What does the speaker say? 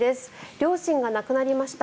両親が亡くなりました。